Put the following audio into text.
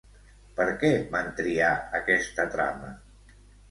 Per què van triar aquesta trama?